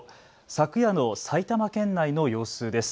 昨夜の埼玉県内の様子です。